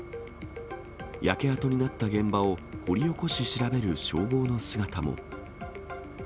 焼け跡になった現場を掘り起こし、調べる消防の姿も。